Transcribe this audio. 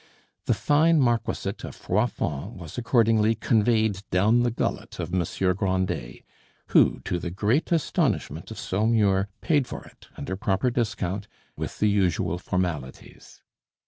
The fine marquisate of Froidfond was accordingly conveyed down the gullet of Monsieur Grandet, who, to the great astonishment of Saumur, paid for it, under proper discount, with the usual formalities.